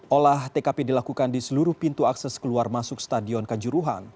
olah tkp dilakukan di seluruh pintu akses keluar masuk stadion kanjuruhan